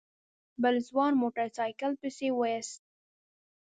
بل ځوان موټر سايکل پسې ويست.